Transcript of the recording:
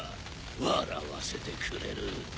笑わせてくれる。